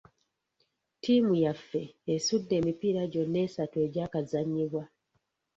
Ttiimu yaffe esudde emipiira gyonna esatu egyakazannyibwa.